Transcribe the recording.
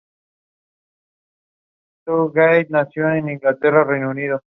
Los títulos siguen los que se utilizaron en esta caja.